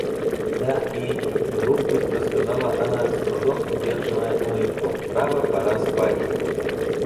Да и... — вдруг быстро сказала она, с трудом удерживая улыбку, — право пора спать.